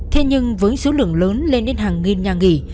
thế nhưng với số lượng lớn lên đến hàng nghìn nhà nghỉ